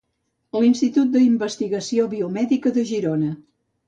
L'Institut d'Investigació Biomèdica de Girona.